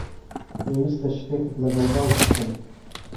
پێویستە شتێکت لەگەڵ باس بکەم.